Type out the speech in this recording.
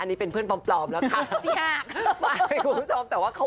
นี่ค่ะ